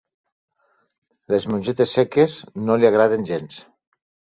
Les mongetes seques no li agraden gens.